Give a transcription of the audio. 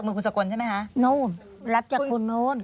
นู้นรับจากคุณนู้น